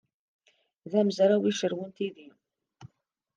D amezraw icerrwen tidi?